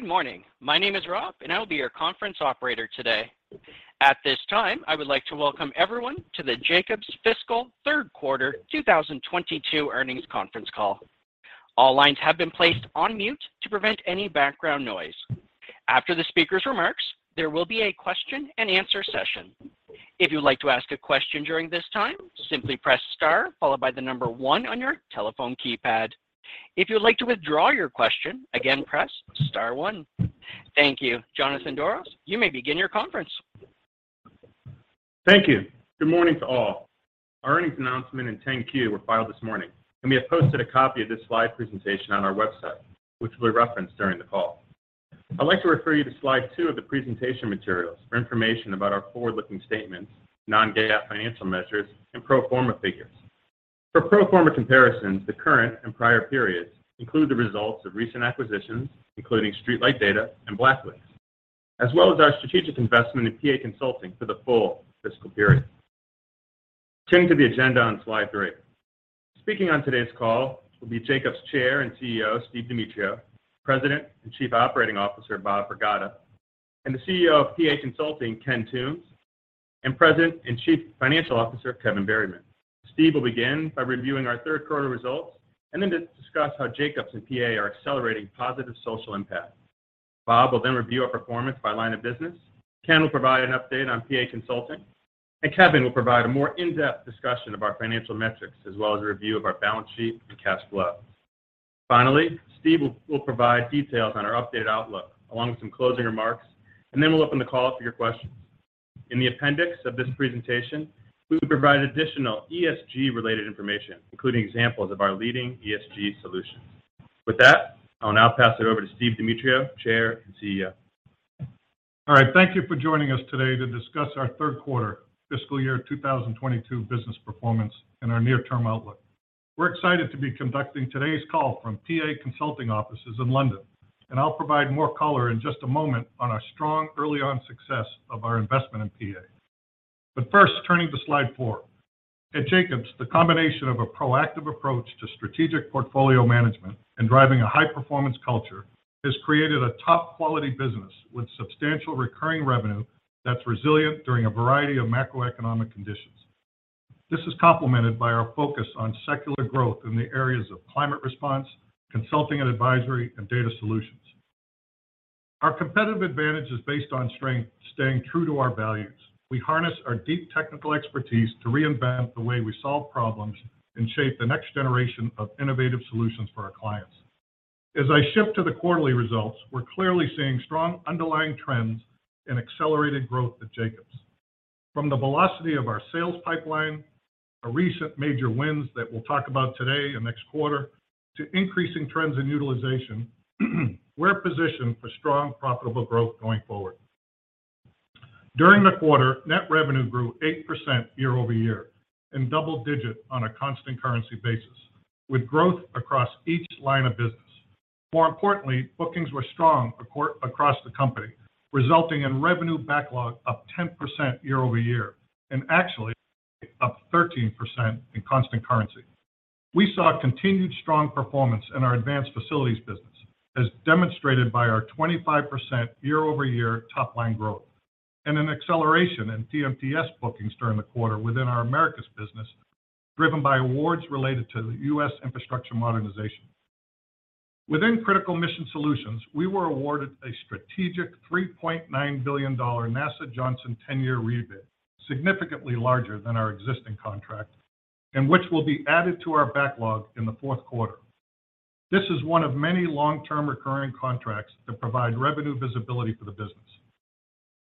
Good morning. My name is Rob, and I will be your conference operator today. At this time, I would like to welcome everyone to the Jacobs fiscal third quarter 2022 earnings conference call. All lines have been placed on mute to prevent any background noise. After the speaker's remarks, there will be a question and answer session. If you'd like to ask a question during this time, simply press star followed by the number one on your telephone keypad. If you'd like to withdraw your question, again, press star one. Thank you. Jonathan Doros, you may begin your conference. Thank you. Good morning to all. Our earnings announcement and 10-Q were filed this morning, and we have posted a copy of this slide presentation on our website, which we referenced during the call. I'd like to refer you to slide two of the presentation materials for information about our forward-looking statements, non-GAAP financial measures, and pro forma figures. For pro forma comparisons, the current and prior periods include the results of recent acquisitions, including StreetLight Data and BlackLynx, as well as our strategic investment in PA Consulting for the full fiscal period. Turning to the agenda on slide three. Speaking on today's call will be Jacobs Chair and CEO, Steve Demetriou, President and Chief Operating Officer, Bob Pragada, and the CEO of PA Consulting, Ken Toombs, and President and Chief Financial Officer, Kevin Berryman. Steve will begin by reviewing our third quarter results and then discuss how Jacobs and PA are accelerating positive social impact. Bob will then review our performance by line of business. Ken will provide an update on PA Consulting, and Kevin will provide a more in-depth discussion of our financial metrics, as well as a review of our balance sheet and cash flow. Finally, Steve will provide details on our updated outlook along with some closing remarks, and then we'll open the call for your questions. In the appendix of this presentation, we will provide additional ESG related information, including examples of our leading ESG solutions. With that, I'll now pass it over to Steve Demetriou, Chair and CEO. All right. Thank you for joining us today to discuss our third quarter fiscal year 2022 business performance and our near term outlook. We're excited to be conducting today's call from PA Consulting offices in London, and I'll provide more color in just a moment on our strong early on success of our investment in PA. First, turning to slide four. At Jacobs, the combination of a proactive approach to strategic portfolio management and driving a high-performance culture has created a top-quality business with substantial recurring revenue that's resilient during a variety of macroeconomic conditions. This is complemented by our focus on secular growth in the areas of climate response, consulting and advisory, and data solutions. Our competitive advantage is based on strength, staying true to our values. We harness our deep technical expertise to reinvent the way we solve problems and shape the next generation of innovative solutions for our clients. As I shift to the quarterly results, we're clearly seeing strong underlying trends and accelerated growth at Jacobs. From the velocity of our sales pipeline, our recent major wins that we'll talk about today and next quarter, to increasing trends in utilization, we're positioned for strong profitable growth going forward. During the quarter, net revenue grew 8% year-over-year and double digit on a constant currency basis with growth across each line of business. More importantly, bookings were strong across the company, resulting in revenue backlog up 10% year-over-year and actually up 13% in constant currency. We saw continued strong performance in our advanced facilities business, as demonstrated by our 25% year-over-year top line growth and an acceleration in TMTs bookings during the quarter within our Americas business, driven by awards related to U.S. infrastructure modernization. Within Critical Mission Solutions, we were awarded a strategic $3.9 billion NASA Johnson Space Center 10-year rebid, significantly larger than our existing contract, and which will be added to our backlog in the fourth quarter. This is one of many long-term recurring contracts that provide revenue visibility for the business.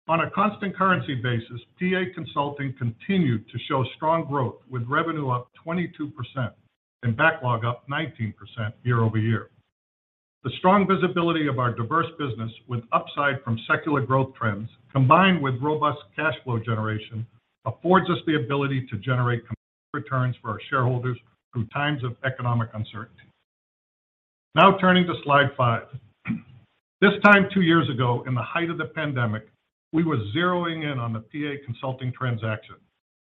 On a constant currency basis, PA Consulting continued to show strong growth, with revenue up 22% and backlog up 19% year-over-year. The strong visibility of our diverse business with upside from secular growth trends, combined with robust cash flow generation, affords us the ability to generate returns for our shareholders through times of economic uncertainty. Now turning to slide five. This time two years ago, in the height of the pandemic, we were zeroing in on the PA Consulting transaction.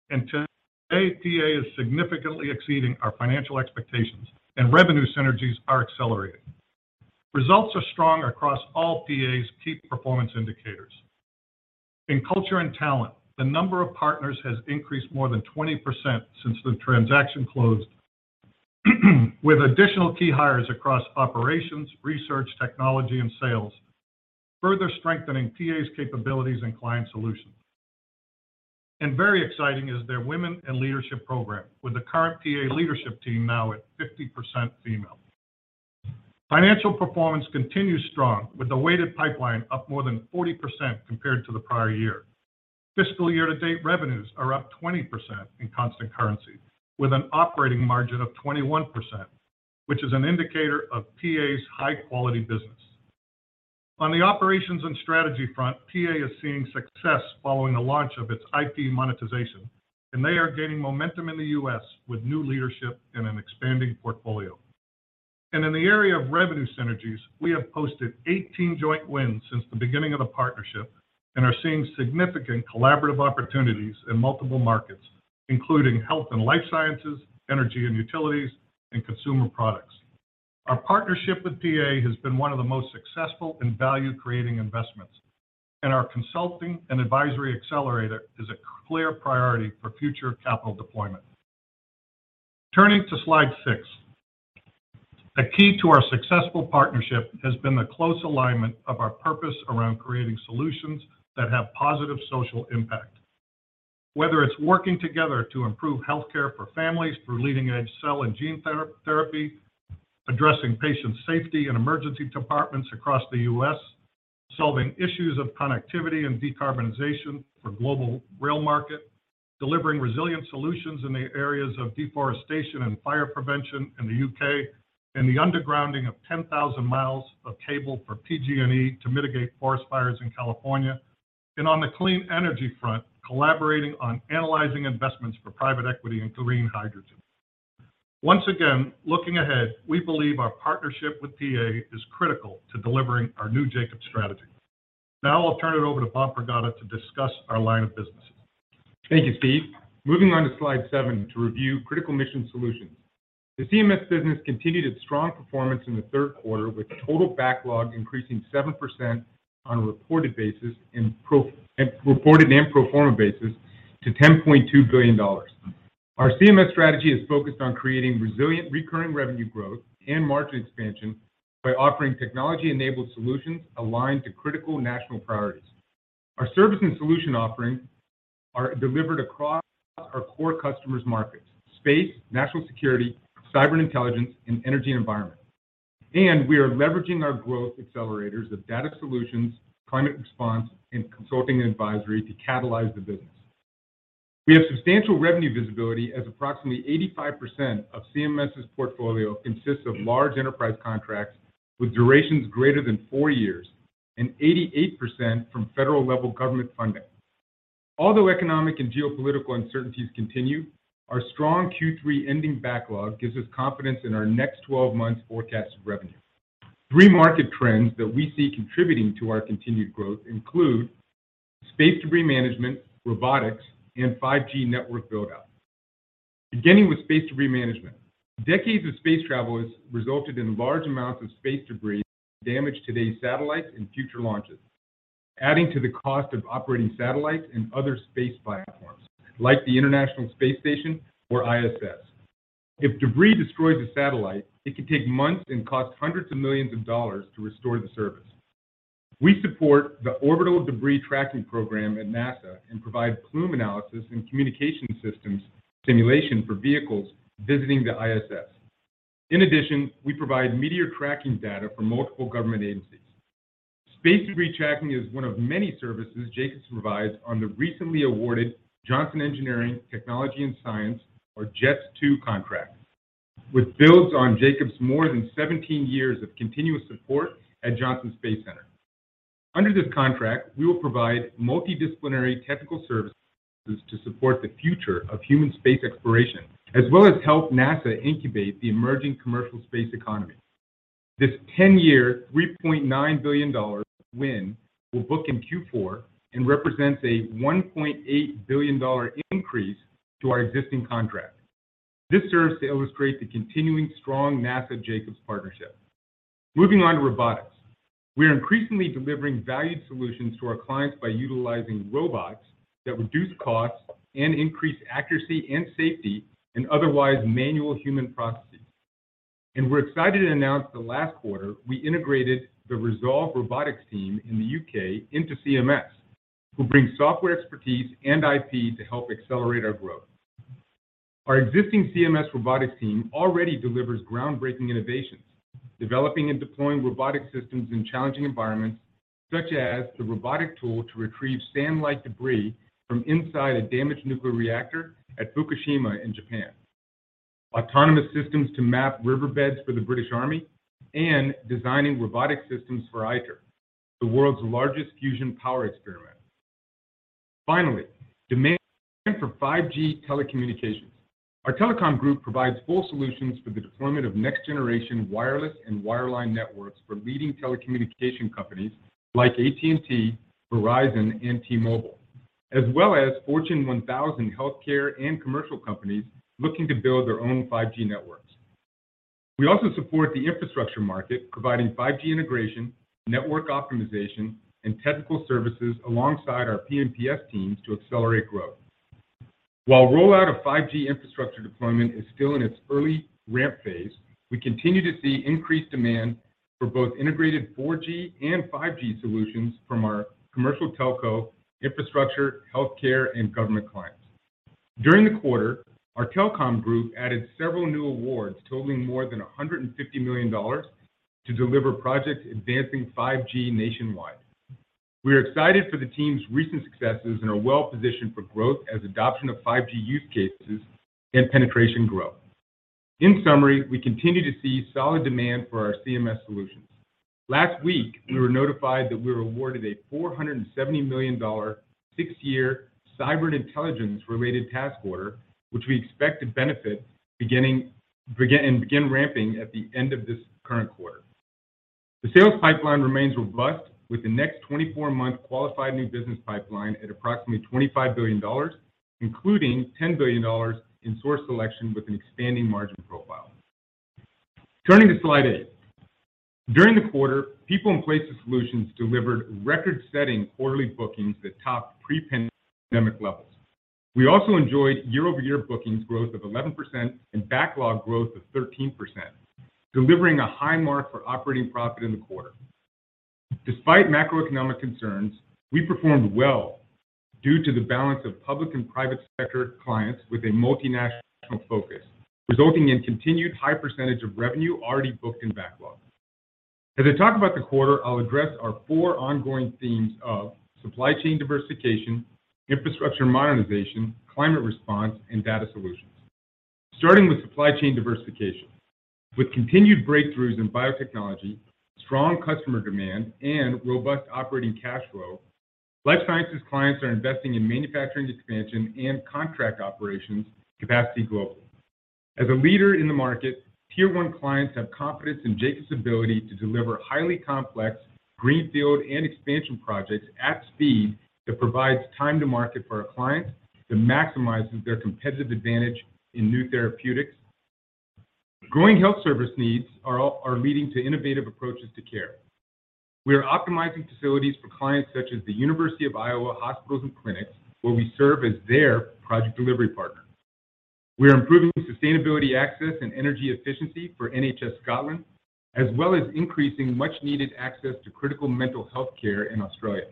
To date, PA is significantly exceeding our financial expectations, and revenue synergies are accelerating. Results are strong across all PA's key performance indicators. In culture and talent, the number of partners has increased more than 20% since the transaction closed, with additional key hires across operations, research, technology, and sales, further strengthening PA's capabilities and client solutions. Very exciting is their Women in Leadership program, with the current PA leadership team now at 50% female. Financial performance continues strong, with the weighted pipeline up more than 40% compared to the prior year. Fiscal year to date revenues are up 20% in constant currency, with an operating margin of 21%, which is an indicator of PA's high-quality business. On the operations and strategy front, PA is seeing success following the launch of its IP monetization, and they are gaining momentum in the U.S. with new leadership and an expanding portfolio. In the area of revenue synergies, we have posted 18 joint wins since the beginning of the partnership and are seeing significant collaborative opportunities in multiple markets, including health and life sciences, energy and utilities, and consumer products. Our partnership with PA has been one of the most successful and value-creating investments, and our consulting and advisory accelerator is a clear priority for future capital deployment. Turning to slide six. A key to our successful partnership has been the close alignment of our purpose around creating solutions that have positive social impact. Whether it's working together to improve healthcare for families through leading-edge cell and gene therapy, addressing patient safety in emergency departments across the U.S., solving issues of connectivity and decarbonization for global rail market, delivering resilient solutions in the areas of deforestation and fire prevention in the U.K., and the undergrounding of 10,000 mi of cable for PG&E to mitigate forest fires in California. On the clean energy front, collaborating on analyzing investments for private equity and green hydrogen. Once again, looking ahead, we believe our partnership with PA is critical to delivering our new Jacobs strategy. Now I'll turn it over to Bob Pragada to discuss our line of businesses. Thank you, Steve. Moving on to slide seven to review Critical Mission Solutions. The CMS business continued its strong performance in the third quarter with total backlog increasing 7% on a reported and pro forma basis to $10.2 billion. Our CMS strategy is focused on creating resilient recurring revenue growth and margin expansion by offering technology-enabled solutions aligned to critical national priorities. Our service and solution offerings are delivered across our core customers markets: space, national security, cyber intelligence, and energy environment. We are leveraging our growth accelerators of data solutions, climate response, and consulting advisory to catalyze the business. We have substantial revenue visibility as approximately 85% of CMS's portfolio consists of large enterprise contracts with durations greater than four years and 88% from federal-level government funding. Although economic and geopolitical uncertainties continue, our strong Q3 ending backlog gives us confidence in our next 12 months forecasted revenue. Three market trends that we see contributing to our continued growth include space debris management, robotics, and 5G network build-out. Beginning with space debris management. Decades of space travel has resulted in large amounts of space debris damaging today's satellites and future launches, adding to the cost of operating satellites and other space platforms like the International Space Station or ISS. If debris destroys a satellite, it can take months and cost hundreds of millions of dollars to restore the service. We support the orbital debris tracking program at NASA and provide plume analysis and communication systems simulation for vehicles visiting the ISS. In addition, we provide meteor tracking data for multiple government agencies. Space debris tracking is one of many services Jacobs provides on the recently awarded Johnson Engineering, Technology, and Science, or JETS2 contract, which builds on Jacobs' more than 17 years of continuous support at Johnson Space Center. Under this contract, we will provide multidisciplinary technical services to support the future of human space exploration, as well as help NASA incubate the emerging commercial space economy. This 10-year, $3.9 billion win will book in Q4 and represents a $1.8 billion increase to our existing contract. This serves to illustrate the continuing strong NASA-Jacobs partnership. Moving on to robotics. We are increasingly delivering valued solutions to our clients by utilizing robots that reduce costs and increase accuracy and safety in otherwise manual human processes. We're excited to announce that last quarter, we integrated the Resolve Robotics team in the U.K. into CMS, who bring software expertise and IP to help accelerate our growth. Our existing CMS robotics team already delivers groundbreaking innovations, developing and deploying robotic systems in challenging environments such as the robotic tool to retrieve sand-like debris from inside a damaged nuclear reactor at Fukushima in Japan, autonomous systems to map riverbeds for the British Army, and designing robotic systems for ITER, the world's largest fusion power experiment. Finally, demand for 5G telecommunications. Our telecom group provides full solutions for the deployment of next-generation wireless and wireline networks for leading telecommunication companies like AT&T, Verizon, and T-Mobile, as well as Fortune 1000 healthcare and commercial companies looking to build their own 5G networks. We also support the infrastructure market, providing 5G integration, network optimization, and technical services alongside our P&PS teams to accelerate growth. While rollout of 5G infrastructure deployment is still in its early ramp phase, we continue to see increased demand for both integrated 4G and 5G solutions from our commercial telco, infrastructure, healthcare, and government clients. During the quarter, our telecom group added several new awards totaling more than $150 million to deliver projects advancing 5G nationwide. We are excited for the team's recent successes and are well-positioned for growth as adoption of 5G use cases and penetration grow. In summary, we continue to see solid demand for our CMS solutions. Last week, we were notified that we were awarded a $470 million six-year cyber intelligence-related task order, which we expect to begin ramping at the end of this current quarter. The sales pipeline remains robust with the next 24-month qualified new business pipeline at approximately $25 billion, including $10 billion in source selection with an expanding margin profile. Turning to slide eight. During the quarter, People & Places Solutions delivered record-setting quarterly bookings that topped pre-pandemic levels. We also enjoyed year-over-year bookings growth of 11% and backlog growth of 13%, delivering a high mark for operating profit in the quarter. Despite macroeconomic concerns, we performed well due to the balance of public and private sector clients with a multinational focus, resulting in continued high percentage of revenue already booked in backlog. As I talk about the quarter, I'll address our four ongoing themes of supply chain diversification, infrastructure modernization, climate response, and data solutions. Starting with supply chain diversification. With continued breakthroughs in biotechnology, strong customer demand, and robust operating cash flow, life sciences clients are investing in manufacturing expansion and contract operations capacity globally. As a leader in the market, tier-one clients have confidence in Jacobs' ability to deliver highly complex greenfield and expansion projects at speed that provides time to market for our clients that maximizes their competitive advantage in new therapeutics. Growing health service needs are leading to innovative approaches to care. We are optimizing facilities for clients such as the University of Iowa Hospitals & Clinics, where we serve as their project delivery partner. We are improving sustainability access and energy efficiency for NHS Scotland, as well as increasing much-needed access to critical mental health care in Australia.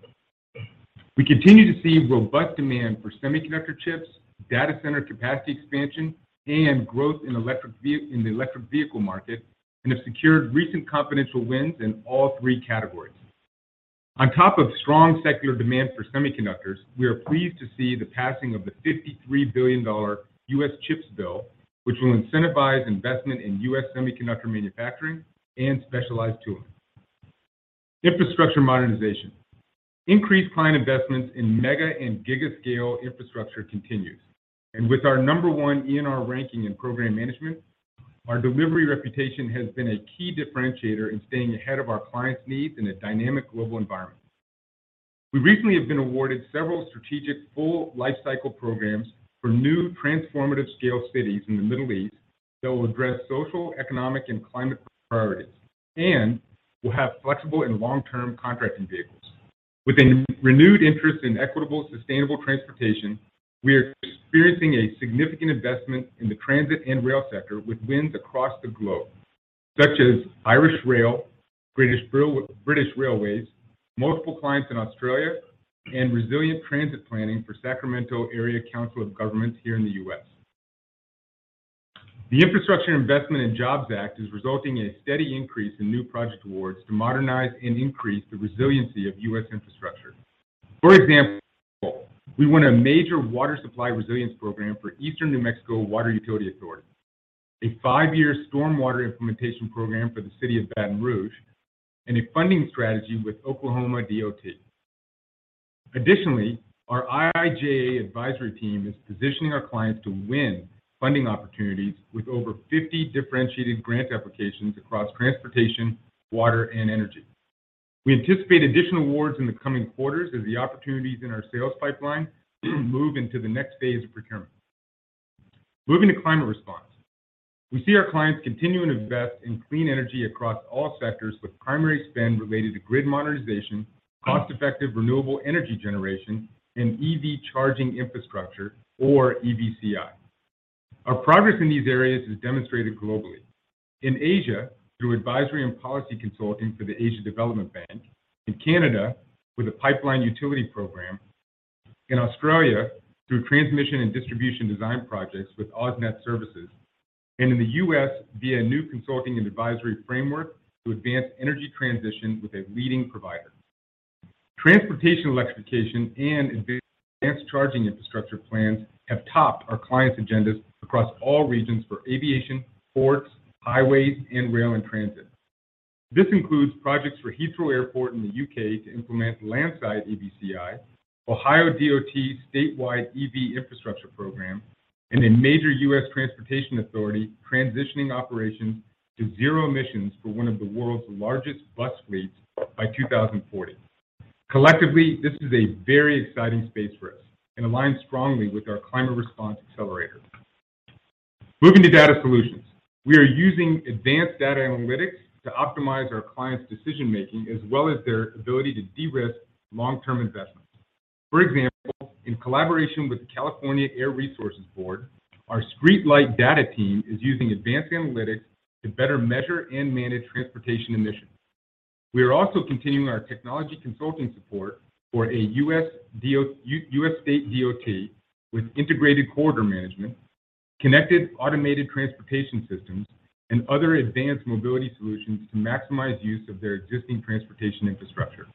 We continue to see robust demand for semiconductor chips, data center capacity expansion, and growth in the electric vehicle market and have secured recent confidential wins in all three categories. On top of strong secular demand for semiconductors, we are pleased to see the passing of the $53 billion U.S. CHIPS bill, which will incentivize investment in U.S. semiconductor manufacturing and specialized tooling. Infrastructure modernization. Increased client investments in mega and giga scale infrastructure continues. With our number one ENR ranking in program management, our delivery reputation has been a key differentiator in staying ahead of our clients' needs in a dynamic global environment. We recently have been awarded several strategic full lifecycle programs for new transformative scale cities in the Middle East that will address social, economic, and climate priorities and will have flexible and long-term contracting vehicles. With a renewed interest in equitable, sustainable transportation, we are experiencing a significant investment in the transit and rail sector with wins across the globe, such as Irish Rail, British Railways, multiple clients in Australia, and resilient transit planning for Sacramento Area Council of Governments here in the U.S. The Infrastructure Investment and Jobs Act is resulting in a steady increase in new project awards to modernize and increase the resiliency of U.S. infrastructure. For example, we won a major water supply resilience program for Eastern New Mexico Water Utility Authority, a five-year stormwater implementation program for the city of Baton Rouge, and a funding strategy with Oklahoma DOT. Additionally, our IIJA advisory team is positioning our clients to win funding opportunities with over 50 differentiated grant applications across transportation, water, and energy. We anticipate additional awards in the coming quarters as the opportunities in our sales pipeline move into the next phase of procurement. Moving to climate response. We see our clients continue to invest in clean energy across all sectors, with primary spend related to grid modernization, cost-effective renewable energy generation, and EV charging infrastructure or EVCI. Our progress in these areas is demonstrated globally. In Asia, through advisory and policy consulting for the Asian Development Bank, in Canada with a pipeline utility program, in Australia through transmission and distribution design projects with AusNet Services, and in the U.S. via a new consulting and advisory framework to advance energy transition with a leading provider. Transportation electrification and advanced charging infrastructure plans have topped our clients' agendas across all regions for aviation, ports, highways, and rail, and transit. This includes projects for Heathrow Airport in the U.K. to implement landside EVCI, Ohio DOT's statewide EV infrastructure program, and a major U.S. transportation authority transitioning operations to zero emissions for one of the world's largest bus fleets by 2040. Collectively, this is a very exciting space for us and aligns strongly with our climate response accelerator. Moving to data solutions. We are using advanced data analytics to optimize our clients' decision-making as well as their ability to de-risk long-term investments. For example, in collaboration with the California Air Resources Board, our StreetLight Data team is using advanced analytics to better measure and manage transportation emissions. We are also continuing our technology consulting support for a U.S. state DOT with integrated corridor management, connected automated transportation systems, and other advanced mobility solutions to maximize use of their existing transportation infrastructure.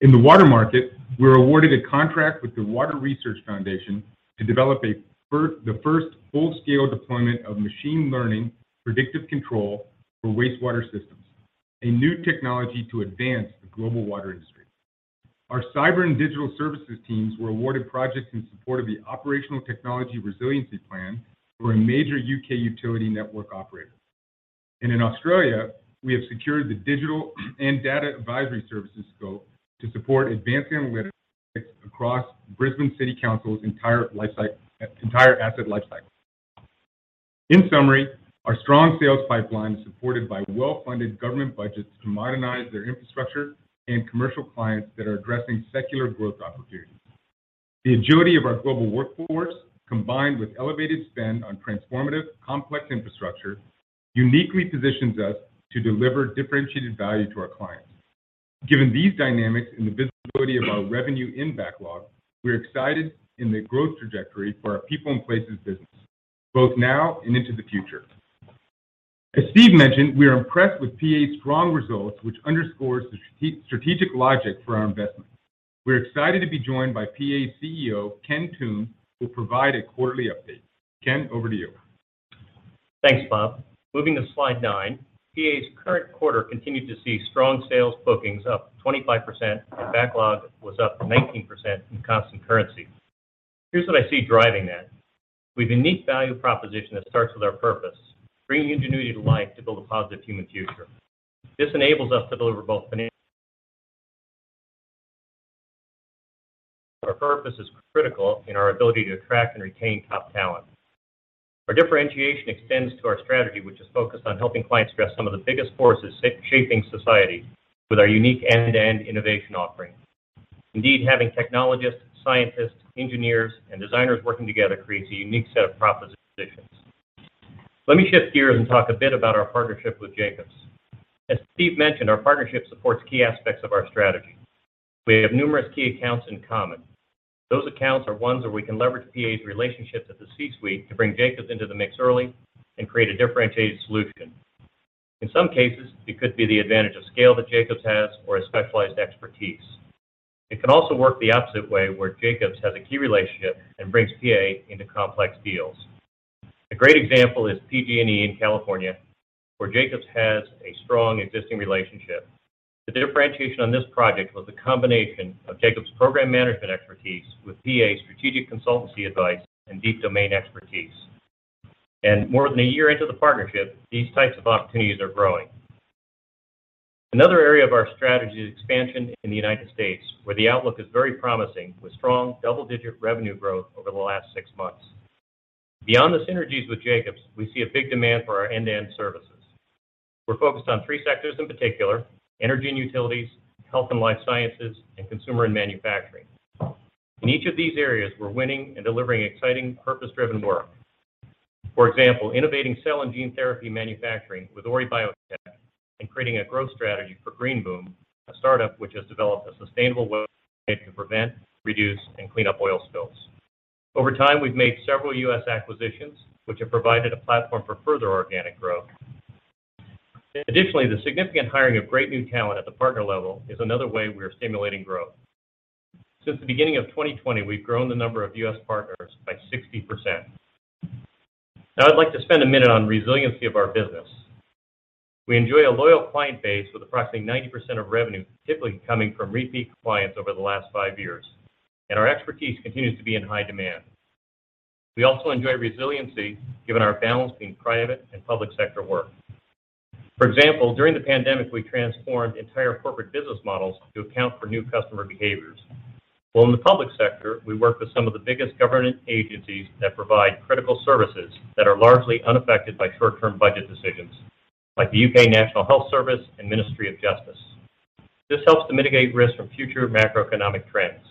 In the water market, we were awarded a contract with the Water Research Foundation to develop the first full-scale deployment of machine learning predictive control for wastewater systems, a new technology to advance the global water industry. Our cyber and digital services teams were awarded projects in support of the operational technology resiliency plan for a major U.K. utility network operator. In Australia, we have secured the digital and data advisory services scope to support advanced analytics across Brisbane City Council's entire asset life cycle. In summary, our strong sales pipeline is supported by well-funded government budgets to modernize their infrastructure and commercial clients that are addressing secular growth opportunities. The agility of our global workforce, combined with elevated spend on transformative complex infrastructure, uniquely positions us to deliver differentiated value to our clients. Given these dynamics and the visibility of our revenue in backlog, we're excited in the growth trajectory for our people and places business, both now and into the future. As Steve mentioned, we are impressed with PA's strong results, which underscores the strategic logic for our investment. We're excited to be joined by PA's CEO, Ken Toombs, who will provide a quarterly update. Ken, over to you. Thanks, Bob. Moving to slide nine, PA's current quarter continued to see strong sales bookings up 25%, and backlog was up 19% in constant currency. Here's what I see driving that. We have a unique value proposition that starts with our purpose, bringing ingenuity to life to build a positive human future. This enables us to deliver both financial. Our purpose is critical in our ability to attract and retain top talent. Our differentiation extends to our strategy, which is focused on helping clients address some of the biggest forces shaping society with our unique end-to-end innovation offering. Indeed, having technologists, scientists, engineers, and designers working together creates a unique set of propositions. Let me shift gears and talk a bit about our partnership with Jacobs. As Steve mentioned, our partnership supports key aspects of our strategy. We have numerous key accounts in common. Those accounts are ones where we can leverage PA's relationships at the C-suite to bring Jacobs into the mix early and create a differentiated solution. In some cases, it could be the advantage of scale that Jacobs has or a specialized expertise. It can also work the opposite way, where Jacobs has a key relationship and brings PA into complex deals. A great example is PG&E in California, where Jacobs has a strong existing relationship. The differentiation on this project was a combination of Jacobs' program management expertise with PA's strategic consultancy advice and deep domain expertise. More than a year into the partnership, these types of opportunities are growing. Another area of our strategy is expansion in the United States, where the outlook is very promising, with strong double-digit revenue growth over the last six months. Beyond the synergies with Jacobs, we see a big demand for our end-to-end services. We're focused on three sectors in particular, energy and utilities, health and life sciences, and consumer and manufacturing. In each of these areas, we're winning and delivering exciting purpose-driven work. For example, innovating cell and gene therapy manufacturing with Ori Biotech and creating a growth strategy for Green Boom, a startup which has developed a sustainable way to prevent, reduce, and clean up oil spills. Over time, we've made several U.S. acquisitions, which have provided a platform for further organic growth. Additionally, the significant hiring of great new talent at the partner level is another way we are stimulating growth. Since the beginning of 2020, we've grown the number of U.S. partners by 60%. Now, I'd like to spend a minute on resiliency of our business. We enjoy a loyal client base with approximately 90% of revenue typically coming from repeat clients over the last five years, and our expertise continues to be in high demand. We also enjoy resiliency given our balance between private and public sector work. For example, during the pandemic, we transformed entire corporate business models to account for new customer behaviors. While in the public sector, we work with some of the biggest government agencies that provide critical services that are largely unaffected by short-term budget decisions, like the U.K. National Health Service and Ministry of Justice. This helps to mitigate risk from future macroeconomic trends.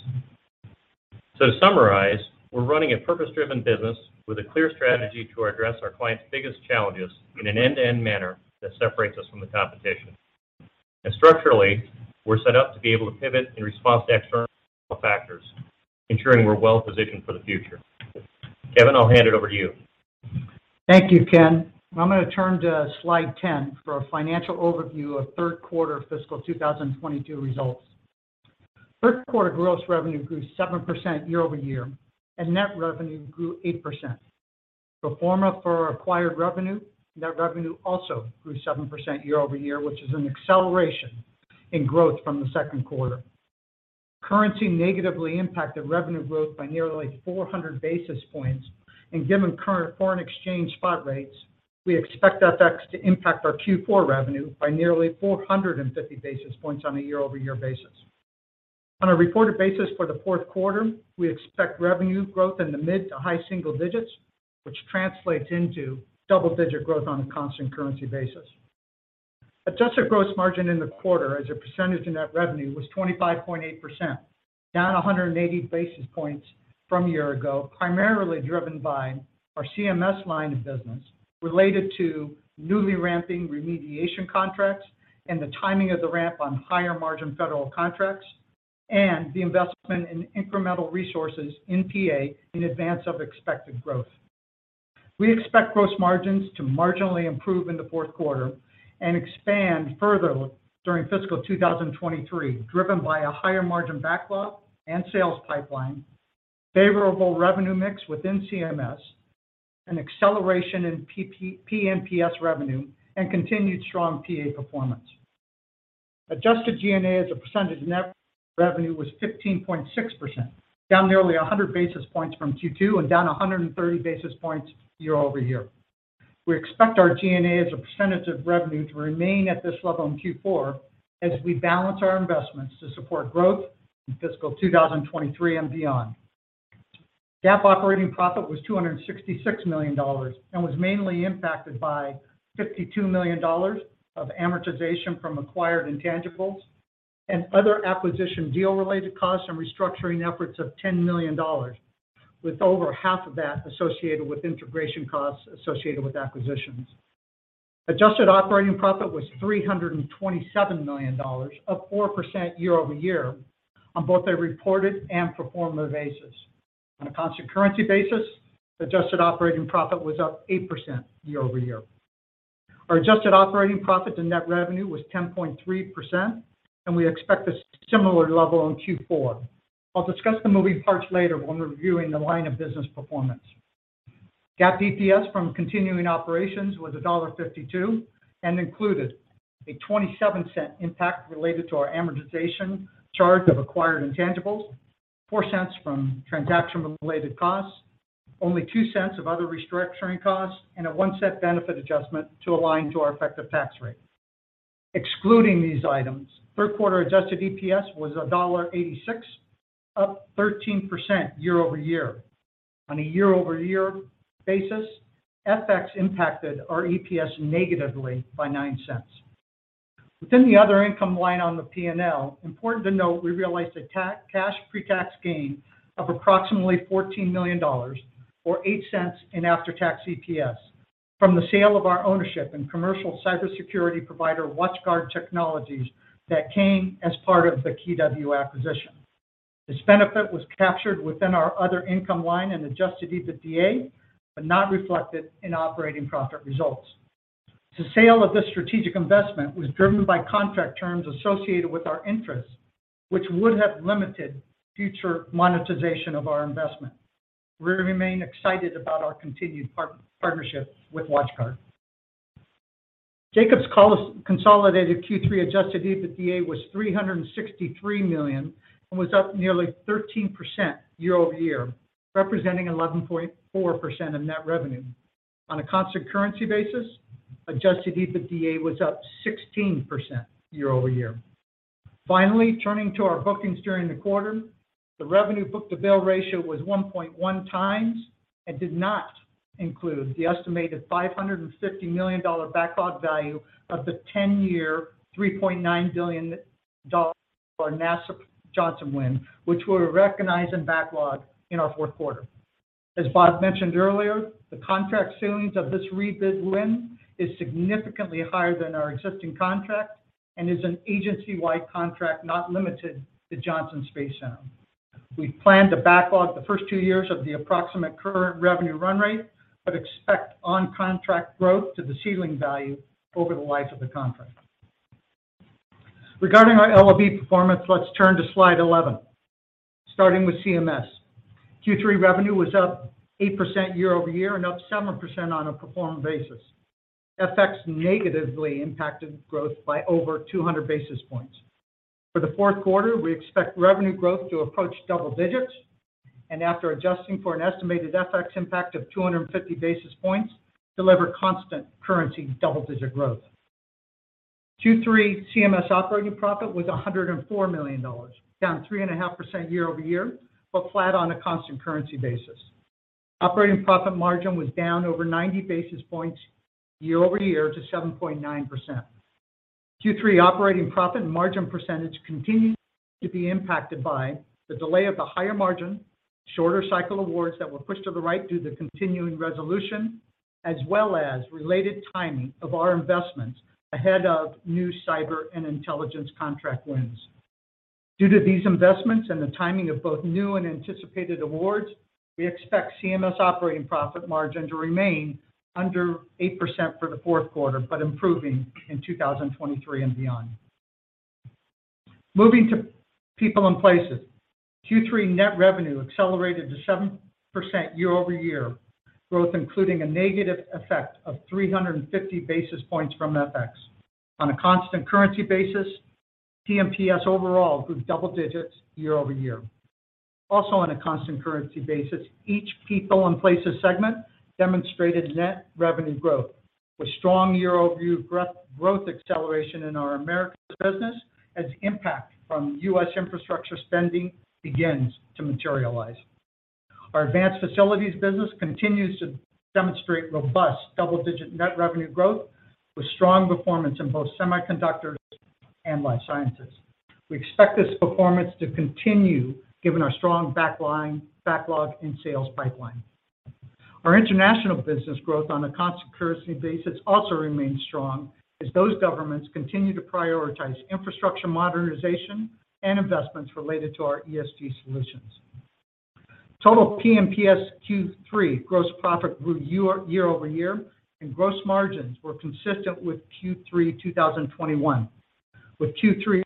To summarize, we're running a purpose-driven business with a clear strategy to address our clients' biggest challenges in an end-to-end manner that separates us from the competition. Structurally, we're set up to be able to pivot in response to external factors, ensuring we're well-positioned for the future. Kevin, I'll hand it over to you. Thank you, Ken. I'm gonna turn to slide 10 for a financial overview of third quarter fiscal 2022 results. Third quarter gross revenue grew 7% year-over-year, and net revenue grew 8%. Pro forma for acquired revenue, net revenue also grew 7% year-over-year, which is an acceleration in growth from the second quarter. Currency negatively impacted revenue growth by nearly 400 basis points, and given current foreign exchange spot rates, we expect FX to impact our Q4 revenue by nearly 450 basis points on a year-over-year basis. On a reported basis for the fourth quarter, we expect revenue growth in the mid- to high-single digits, which translates into double-digit growth on a constant currency basis. Adjusted gross margin in the quarter as a percentage of net revenue was 25.8%, down 180 basis points from a year ago, primarily driven by our CMS line of business related to newly ramping remediation contracts and the timing of the ramp on higher-margin federal contracts and the investment in incremental resources in PA in advance of expected growth. We expect gross margins to marginally improve in the fourth quarter and expand further during fiscal 2023, driven by a higher margin backlog and sales pipeline, favorable revenue mix within CMS. An acceleration in P&PS revenue and continued strong PA performance. Adjusted G&A as a percentage of net revenue was 15.6%, down nearly 100 basis points from Q2 and down 130 basis points year-over-year. We expect our G&A as a percentage of revenue to remain at this level in Q4 as we balance our investments to support growth in fiscal 2023 and beyond. GAAP operating profit was $266 million and was mainly impacted by $52 million of amortization from acquired intangibles and other acquisition deal-related costs and restructuring efforts of $10 million, with over half of that associated with integration costs associated with acquisitions. Adjusted operating profit was $327 million, up 4% year-over-year on both a reported and pro forma basis. On a constant currency basis, adjusted operating profit was up 8% year-over-year. Our adjusted operating profit to net revenue was 10.3%, and we expect a similar level in Q4. I'll discuss the moving parts later when reviewing the line of business performance. GAAP EPS from continuing operations was $1.52 and included a $0.27 impact related to our amortization charge of acquired intangibles, $0.04 from transaction-related costs, only $0.02 of other restructuring costs, and a $0.01 benefit adjustment to align to our effective tax rate. Excluding these items, third-quarter adjusted EPS was $1.86, up 13% year-over-year. On a year-over-year basis, FX impacted our EPS negatively by $0.09. Within the other income line on the P&L, important to note, we realized a cash pre-tax gain of approximately $14 million or $0.08 in after-tax EPS from the sale of our ownership in commercial cybersecurity provider WatchGuard Technologies that came as part of the KeyW acquisition. This benefit was captured within our other income line and adjusted EBITDA, but not reflected in operating profit results. The sale of this strategic investment was driven by contract terms associated with our interest, which would have limited future monetization of our investment. We remain excited about our continued partnership with WatchGuard. Jacobs consolidated Q3 adjusted EBITDA was $363 million and was up nearly 13% year-over-year, representing 11.4% of net revenue. On a constant currency basis, adjusted EBITDA was up 16% year-over-year. Finally, turning to our bookings during the quarter, the revenue book-to-bill ratio was 1.1x and did not include the estimated $550 million backlog value of the 10-year, $3.9 billion NASA Johnson Space Center win, which we'll recognize in backlog in our fourth quarter. As Bob mentioned earlier, the contract ceilings of this rebid win is significantly higher than our existing contract and is an agency-wide contract not limited to Johnson Space Center. We plan to backlog the first two years of the approximate current revenue run rate, but expect on-contract growth to the ceiling value over the life of the contract. Regarding our LOB performance, let's turn to slide 11. Starting with CMS. Q3 revenue was up 8% year-over-year and up 7% on a pro forma basis. FX negatively impacted growth by over 200 basis points. For the fourth quarter, we expect revenue growth to approach double digits, and after adjusting for an estimated FX impact of 250 basis points, deliver constant currency double-digit growth. Q3 CMS operating profit was $104 million, down 3.5% year-over-year, but flat on a constant currency basis. Operating profit margin was down over 90 basis points year-over-year to 7.9%. Q3 operating profit margin percentage continued to be impacted by the delay of the higher margin, shorter cycle awards that were pushed to the right due to the continuing resolution, as well as related timing of our investments ahead of new cyber and intelligence contract wins. Due to these investments and the timing of both new and anticipated awards, we expect CMS operating profit margin to remain under 8% for the fourth quarter, but improving in 2023 and beyond. Moving to people and places. Q3 net revenue accelerated to 7% year-over-year, growth including a negative effect of 350 basis points from FX. On a constant currency basis, P&PS overall grew double digits year-over-year. Also, on a constant currency basis, each people and places segment demonstrated net revenue growth, with strong year-over-year growth acceleration in our Americas business as impact from U.S. infrastructure spending begins to materialize. Our advanced facilities business continues to demonstrate robust double-digit net revenue growth with strong performance in both semiconductors and life sciences. We expect this performance to continue given our strong backlog and sales pipeline. Our international business growth on a constant currency basis also remains strong as those governments continue to prioritize infrastructure modernization and investments related to our ESG solutions. Total P&PS Q3 gross profit grew year-over-year, and gross margins were consistent with Q3 2021. Q3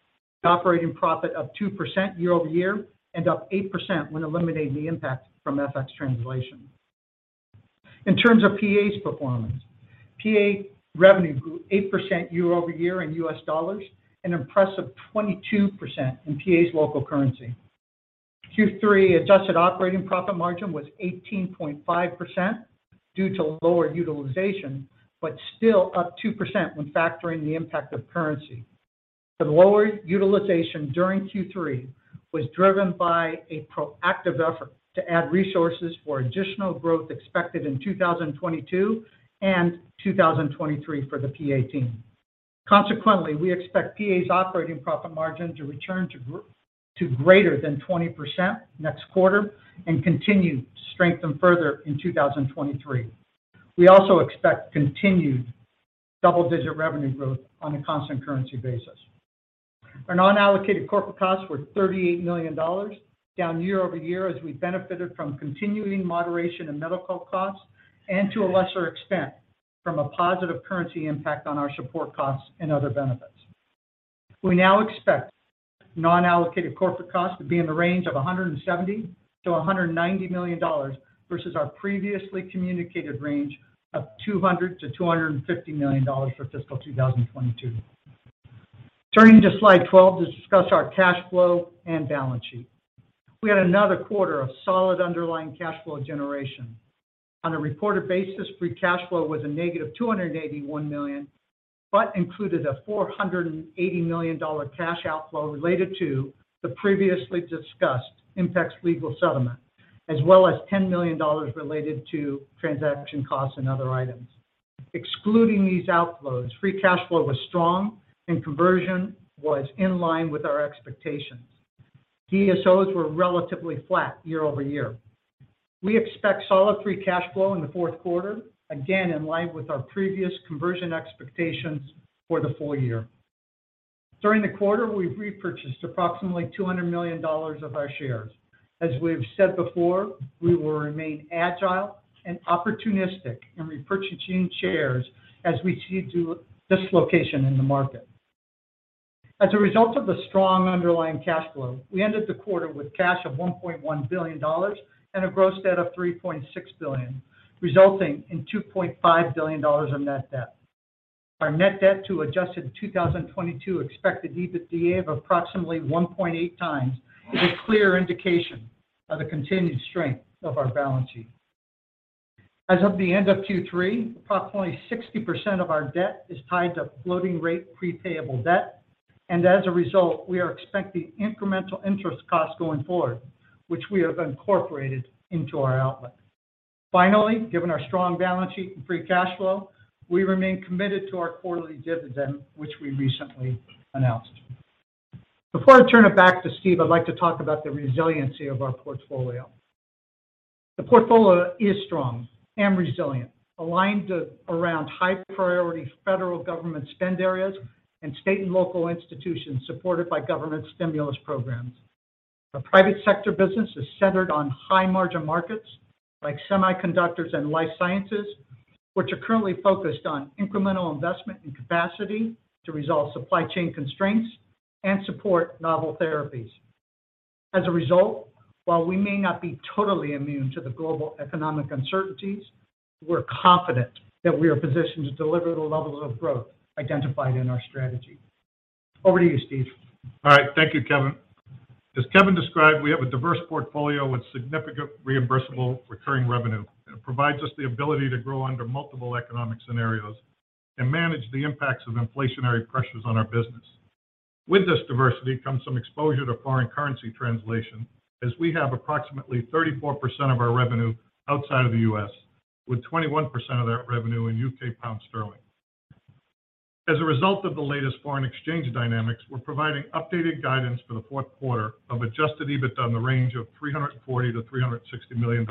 operating profit was up 2% year-over-year, and up 8% when eliminating the impact from FX translation. In terms of PA's performance, PA revenue grew 8% year-over-year in U.S. dollars, an impressive 22% in PA's local currency. Q3 adjusted operating profit margin was 18.5% due to lower utilization, but still up 2% when factoring the impact of currency. The lower utilization during Q3 was driven by a proactive effort to add resources for additional growth expected in 2022 and 2023 for the PA team. Consequently, we expect PA's operating profit margin to return to greater than 20% next quarter and continue to strengthen further in 2023. We also expect continued double-digit revenue growth on a constant currency basis. Our non-allocated corporate costs were $38 million, down year-over-year as we benefited from continuing moderation in medical costs, and to a lesser extent, from a positive currency impact on our support costs and other benefits. We now expect non-allocated corporate costs to be in the range of $170 million-$190 million versus our previously communicated range of $200 million-$250 million for fiscal 2022. Turning to slide 12 to discuss our cash flow and balance sheet. We had another quarter of solid underlying cash flow generation. On a reported basis, free cash flow was -$281 million, but included a $480 million cash outflow related to the previously discussed Impax legal settlement, as well as $10 million related to transaction costs and other items. Excluding these outflows, free cash flow was strong and conversion was in line with our expectations. DSOs were relatively flat year-over-year. We expect solid free cash flow in the fourth quarter, again in line with our previous conversion expectations for the full year. During the quarter, we've repurchased approximately $200 million of our shares. As we have said before, we will remain agile and opportunistic in repurchasing shares as we seek dislocations in the market. As a result of the strong underlying cash flow, we ended the quarter with cash of $1.1 billion and a gross debt of $3.6 billion, resulting in $2.5 billion of net debt. Our net debt to adjusted 2022 expected EBITDA of approximately 1.8x is a clear indication of the continued strength of our balance sheet. As of the end of Q3, approximately 60% of our debt is tied to floating rate payable debt, and as a result, we are expecting incremental interest costs going forward, which we have incorporated into our outlook. Finally, given our strong balance sheet and free cash flow, we remain committed to our quarterly dividend, which we recently announced. Before I turn it back to Steve, I'd like to talk about the resiliency of our portfolio. The portfolio is strong and resilient, aligned around high priority federal government spend areas and state and local institutions supported by government stimulus programs. The private sector business is centered on high margin markets like semiconductors and life sciences, which are currently focused on incremental investment in capacity to resolve supply chain constraints and support novel therapies. As a result, while we may not be totally immune to the global economic uncertainties, we're confident that we are positioned to deliver the levels of growth identified in our strategy. Over to you, Steve. All right. Thank you, Kevin. As Kevin described, we have a diverse portfolio with significant reimbursable recurring revenue that provides us the ability to grow under multiple economic scenarios and manage the impacts of inflationary pressures on our business. With this diversity comes some exposure to foreign currency translation, as we have approximately 34% of our revenue outside of the U.S., with 21% of that revenue in U.K. pound sterling. As a result of the latest foreign exchange dynamics, we're providing updated guidance for the fourth quarter of adjusted EBITDA in the range of $340 million-$360 million,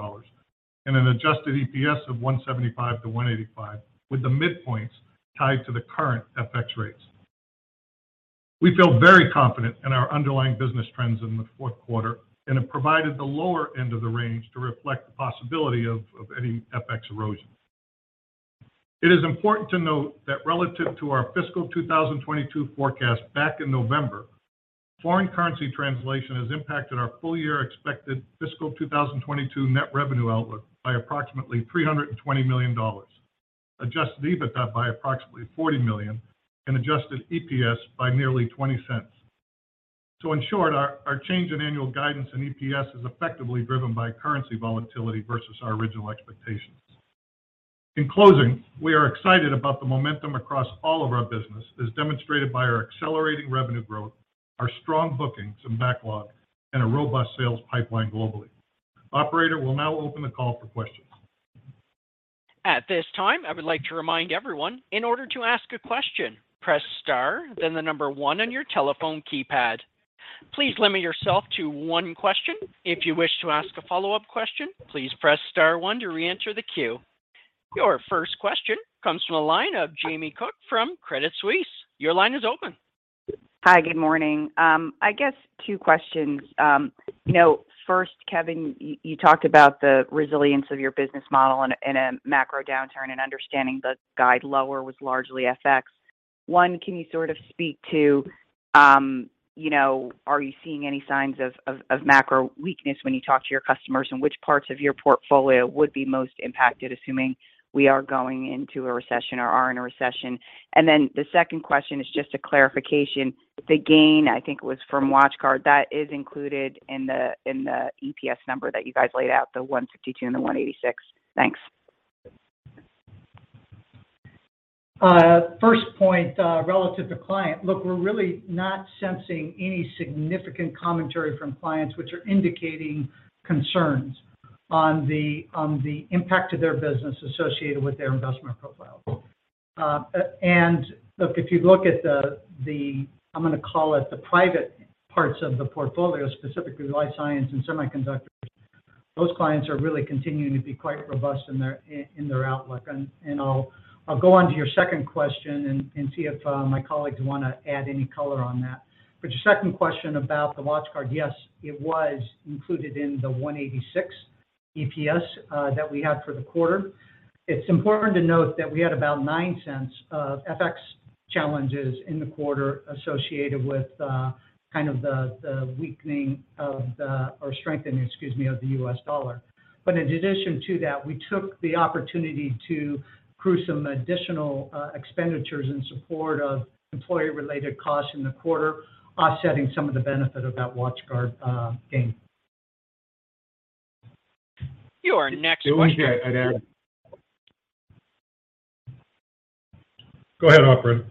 and an adjusted EPS of $1.75-$1.85, with the midpoints tied to the current FX rates. We feel very confident in our underlying business trends in the fourth quarter and have provided the lower end of the range to reflect the possibility of any FX erosion. It is important to note that relative to our fiscal 2022 forecast back in November, foreign currency translation has impacted our full year expected fiscal 2022 net revenue outlook by approximately $320 million, adjusted EBITDA by approximately $40 million, and adjusted EPS by nearly $0.20. In short, our change in annual guidance in EPS is effectively driven by currency volatility versus our original expectations. In closing, we are excited about the momentum across all of our business as demonstrated by our accelerating revenue growth, our strong bookings and backlog, and a robust sales pipeline globally. Operator, we'll now open the call for questions. At this time, I would like to remind everyone, in order to ask a question, press star, then the number one on your telephone keypad. Please limit yourself to one question. If you wish to ask a follow-up question, please press star one to reenter the queue. Your first question comes from the line of Jamie Cook from Credit Suisse. Your line is open. Hi, good morning. I guess two questions. You know, first, Kevin, you talked about the resilience of your business model in a macro downturn and understanding the guide lower was largely FX. One, can you sort of speak to, you know, are you seeing any signs of macro weakness when you talk to your customers? Which parts of your portfolio would be most impacted, assuming we are going into a recession or are in a recession? The second question is just a clarification. The gain, I think, it was from WatchGuard, that is included in the EPS number that you guys laid out, the $1.52 and the $1.86. Thanks. First point, relative to client. Look, we're really not sensing any significant commentary from clients which are indicating concerns on the impact to their business associated with their investment profile. Look, if you look at the, I'm gonna call it the private parts of the portfolio, specifically life science and semiconductors, those clients are really continuing to be quite robust in their outlook. I'll go on to your second question and see if my colleagues wanna add any color on that. Your second question about the WatchGuard. Yes, it was included in the $1.86 EPS that we had for the quarter. It's important to note that we had about $0.09 of FX challenges in the quarter associated with the strengthening, excuse me, of the U.S. dollar. In addition to that, we took the opportunity to accrue some additional expenditures in support of employee-related costs in the quarter, offsetting some of the benefit of that WatchGuard gain. Your next question. Go ahead, operator.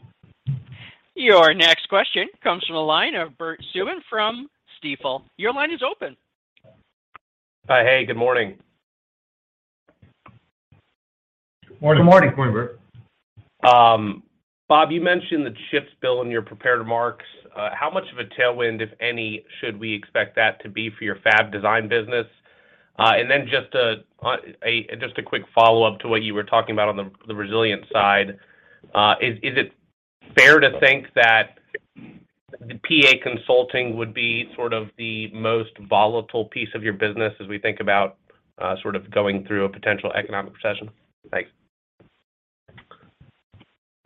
Your next question comes from the line of Bert Subin from Stifel. Your line is open. Hey, good morning. Morning. Good morning. Morning, Bert. Bob, you mentioned the CHIPS Bill in your prepared remarks. How much of a tailwind, if any, should we expect that to be for your fab design business? Just a quick follow-up to what you were talking about on the resilience side. Is it fair to think that PA Consulting would be sort of the most volatile piece of your business as we think about sort of going through a potential economic recession? Thanks.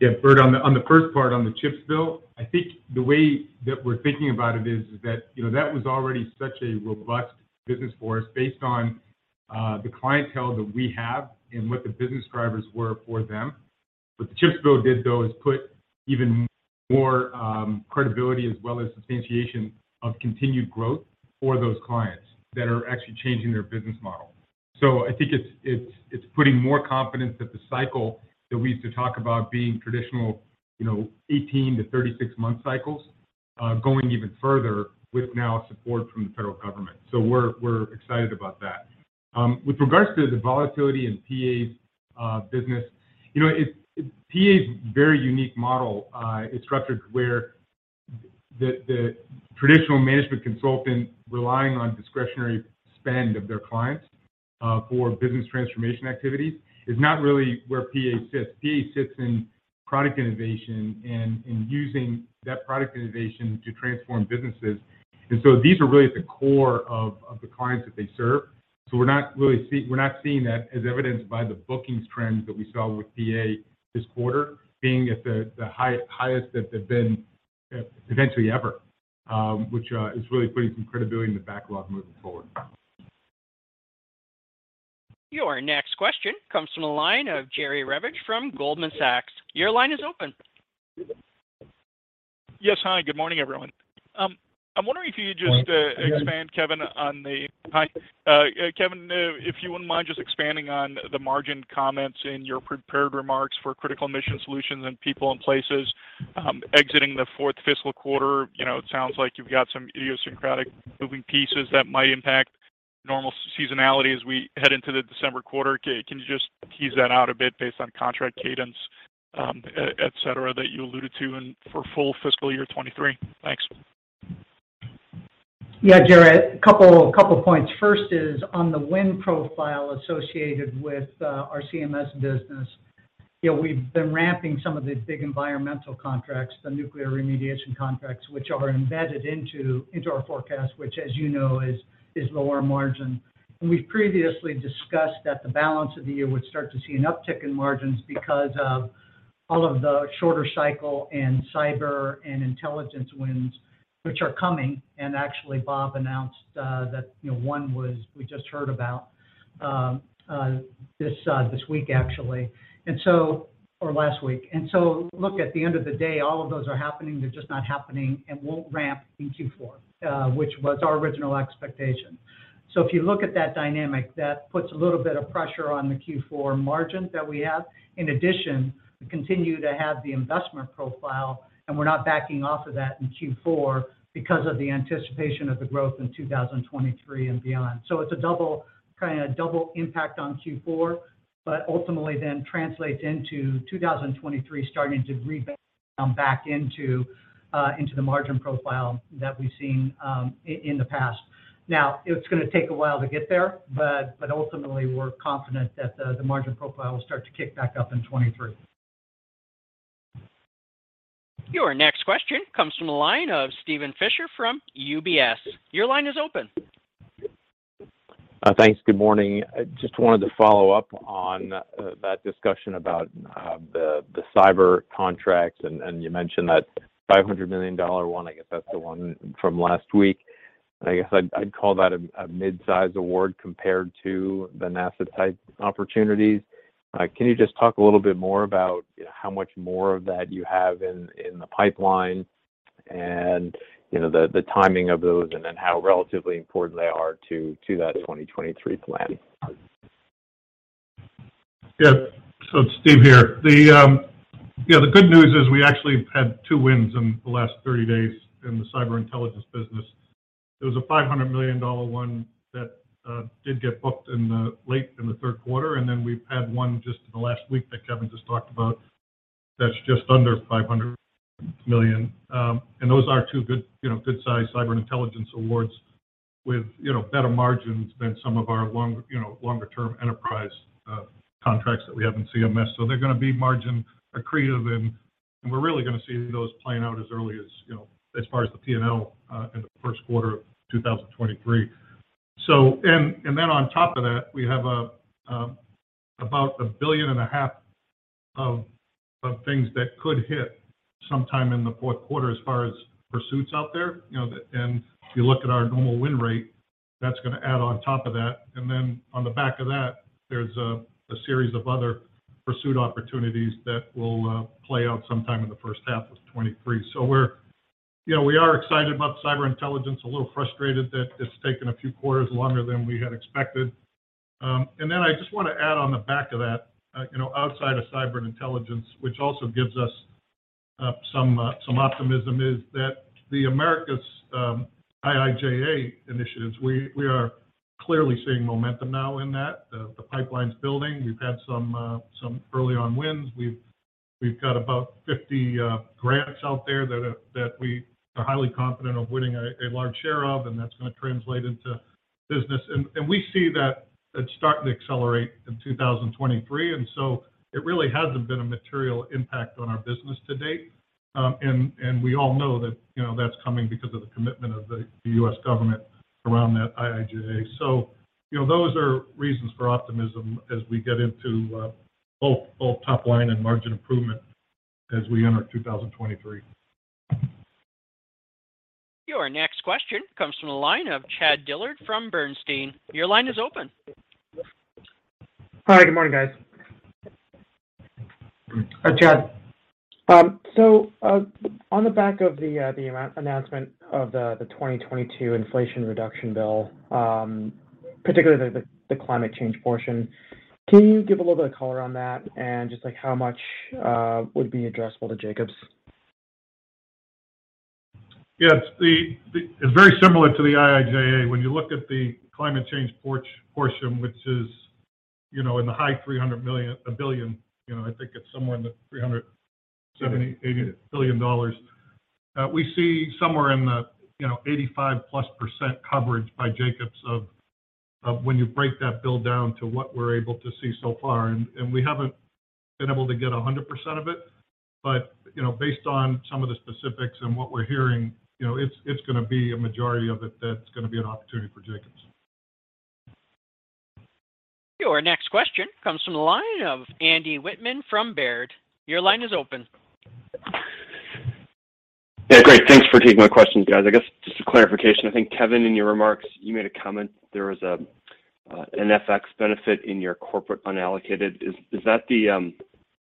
Yeah, Bert, on the first part on the CHIPS Bill, I think the way that we're thinking about it is that, you know, that was already such a robust business for us based on the clientele that we have and what the business drivers were for them. What the CHIPS Bill did, though, is put even more credibility as well as substantiation of continued growth for those clients that are actually changing their business model. I think it's putting more confidence that the cycle that we used to talk about being traditional, you know, 18-month to 36-month cycles going even further with now support from the federal government. We're excited about that. With regards to the volatility in PA's business, you know, PA is a very unique model. It's structured where the traditional management consultant relying on discretionary spend of their clients for business transformation activities is not really where PA sits. PA sits in product innovation and in using that product innovation to transform businesses. These are really at the core of the clients that they serve. We're not seeing that as evidenced by the bookings trends that we saw with PA this quarter being at the highest that they've been, potentially ever, which is really putting some credibility in the backlog moving forward. Your next question comes from the line of Jerry Revich from Goldman Sachs. Your line is open. Yes. Hi, good morning, everyone. I'm wondering if you just- Morning. Hi. Kevin, if you wouldn't mind just expanding on the margin comments in your prepared remarks for Critical Mission Solutions and People & Places exiting the fourth fiscal quarter. You know, it sounds like you've got some idiosyncratic moving pieces that might impact normal seasonality as we head into the December quarter. Can you just tease that out a bit based on contract cadence, et cetera, that you alluded to and for full fiscal year 2023? Thanks. Yeah, Jerry. A couple points. First is on the win profile associated with our CMS business. You know, we've been ramping some of the big environmental contracts, the nuclear remediation contracts, which are embedded into our forecast, which, as you know, is lower margin. We've previously discussed that the balance of the year would start to see an uptick in margins because of all of the shorter cycle and cyber and intelligence wins which are coming. Actually, Bob announced that, you know, one was, we just heard about this week actually, or last week. Look, at the end of the day, all of those are happening. They're just not happening and won't ramp in Q4, which was our original expectation. If you look at that dynamic, that puts a little bit of pressure on the Q4 margins that we have. In addition, we continue to have the investment profile, and we're not backing off of that in Q4 because of the anticipation of the growth in 2023 and beyond. It's a double, kinda double impact on Q4, but ultimately then translates into 2023 starting to rebound back into into the margin profile that we've seen in the past. Now, it's gonna take a while to get there, but ultimately we're confident that the margin profile will start to kick back up in 2023. Your next question comes from the line of Steven Fisher from UBS. Your line is open. Thanks. Good morning. I just wanted to follow up on that discussion about the cyber contracts, and you mentioned that $500 million one, I guess that's the one from last week. I guess I'd call that a mid-size award compared to the NASA-type opportunities. Can you just talk a little bit more about how much more of that you have in the pipeline and, you know, the timing of those, and then how relatively important they are to that 2023 plan? Yeah. It's Steve here. The, yeah, the good news is we actually have had two wins in the last 30 days in the cyber intelligence business. There was a $500 million one that did get booked in the late in the third quarter, and then we've had one just in the last week that Kevin just talked about that's just under $500 million. And those are two good, you know, good-sized cyber intelligence awards with, you know, better margins than some of our long, you know, longer-term enterprise contracts that we have in CMS. So they're gonna be margin accretive, and we're really gonna see those playing out as early as, you know, as far as the P&L in the first quarter of 2023. Then on top of that, we have about $1.5 billion of things that could hit sometime in the fourth quarter as far as pursuits out there. You know, if you look at our normal win rate, that's gonna add on top of that. Then on the back of that, there's a series of other pursuit opportunities that will play out sometime in the first half of 2023. You know, we are excited about cyber intelligence. A little frustrated that it's taken a few quarters longer than we had expected. Then I just wanna add on the back of that, you know, outside of cyber intelligence, which also gives us some optimism, is that the America's IIJA initiatives. We are clearly seeing momentum now in that. The pipeline's building. We've had some early on wins. We've got about 50 grants out there that we are highly confident of winning a large share of, and that's gonna translate into business. We see that it's starting to accelerate in 2023. It really hasn't been a material impact on our business to date. We all know that, you know, that's coming because of the commitment of the U.S. government around that IIJA. You know, those are reasons for optimism as we get into both top line and margin improvement as we enter 2023. Your next question comes from the line of Chad Dillard from Bernstein. Your line is open. Hi. Good morning, guys. Hi, Chad. On the back of the announcement of the 2022 Inflation Reduction Act, particularly the climate change portion, can you give a little bit of color on that and just, like, how much would be addressable to Jacobs? Yeah. It's very similar to the IIJA. When you look at the climate change portion, which is, you know, in the high $300 billion, you know, I think it's somewhere in the $370-$380 billion, we see somewhere in the, you know, 85%+ coverage by Jacobs of when you break that bill down to what we're able to see so far. We haven't been able to get 100% of it, but, you know, based on some of the specifics and what we're hearing, you know, it's gonna be a majority of it that's gonna be an opportunity for Jacobs. Your next question comes from the line of Andrew Wittmann from Baird. Your line is open. Yeah. Great. Thanks for taking my questions, guys. I guess just a clarification. I think, Kevin, in your remarks, you made a comment there was an FX benefit in your corporate unallocated.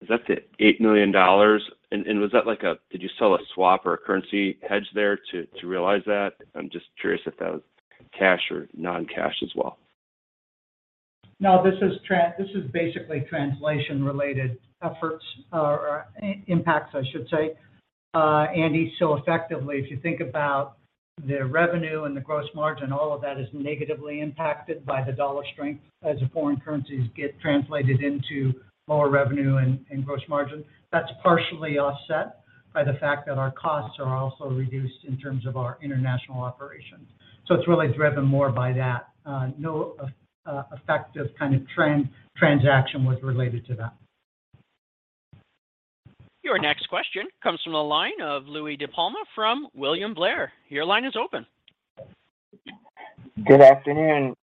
Is that the $8 million? And was that like a swap or a currency hedge there to realize that? I'm just curious if that was cash or non-cash as well. No. This is basically translation-related efforts, or impacts, I should say, Andy. Effectively, if you think about the revenue and the gross margin, all of that is negatively impacted by the dollar strength as the foreign currencies get translated into lower revenue and gross margin. That's partially offset by the fact that our costs are also reduced in terms of our international operations. It's really driven more by that. No effective kind of transaction was related to that. Your next question comes from the line of Louie DiPalma from William Blair. Your line is open. Good afternoon,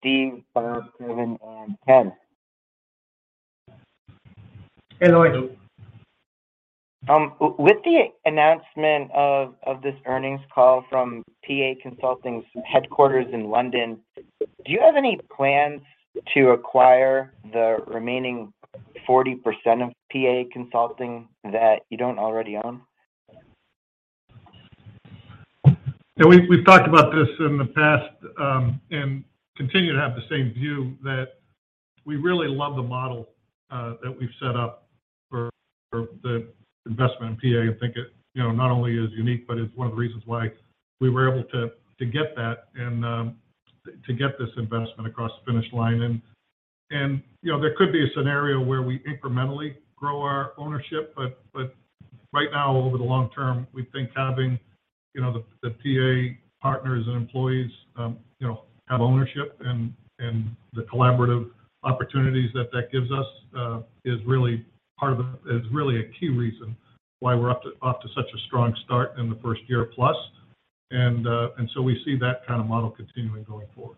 Steve, Bob, Kevin, and Ken. Hey, Louie. With the announcement of this earnings call from PA Consulting's headquarters in London, do you have any plans to acquire the remaining 40% of PA Consulting that you don't already own? Yeah. We've talked about this in the past and continue to have the same view that we really love the model that we've set up for the investment in PA. I think it, you know, not only is unique, but it's one of the reasons why we were able to get that and to get this investment across the finish line. You know, there could be a scenario where we incrementally grow our ownership, but right now, over the long term, we think having, you know, the PA partners and employees have ownership and the collaborative opportunities that that gives us is really a key reason why we're off to such a strong start in the first year plus. We see that kind of model continuing going forward.